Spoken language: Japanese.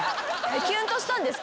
キュンとしたんですか？